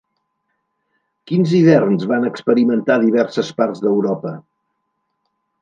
Quins hiverns van experimentar diverses parts d'Europa?